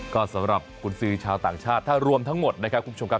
ก็สำหรับกุญสือชาวต่างชาติถ้ารวมทั้งหมดนะครับคุณผู้ชมครับ